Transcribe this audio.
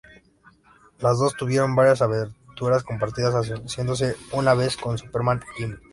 Las dos tuvieron varias aventuras compartidas, asociándose una vez con Superman y Jimmy.